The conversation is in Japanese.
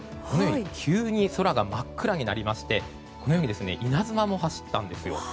急に空が真っ暗になりまして稲妻も走ったんですよ。